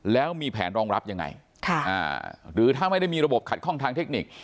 แล้วมีแผนรองรับยังไงหรือถ้าไม่ได้มีระบบขัดข้องทางเทคนิค